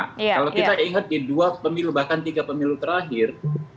kalau kita ingat di dua pemilu bahkan tiga pemilu terakhir